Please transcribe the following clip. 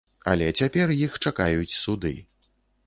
Але цяпер іх чакаюць суды.